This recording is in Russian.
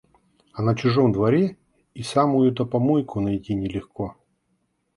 А на чужом дворе и самую-то помойку найти не легко.